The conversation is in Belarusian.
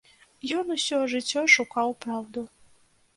Ён усё жыццё шукаў праўду.